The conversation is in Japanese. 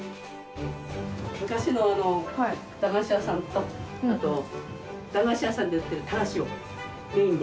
昔の駄菓子屋さんとあと駄菓子屋さんで売ってるたらしをメインで。